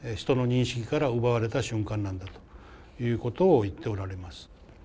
人の認識から奪われた瞬間なんだということを言っておられます。